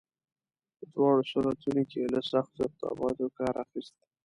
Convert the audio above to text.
په دواړو صورتونو کې یې له سختو اقداماتو کار اخیست.